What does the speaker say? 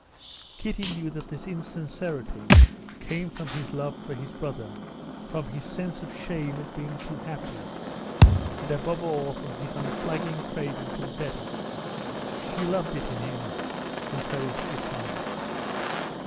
Kitty knew that this insincerity came from his love for his brother, from his sense of shame at being too happy, and above all from his unflagging craving to be better—she loved it in him, and so she smiled.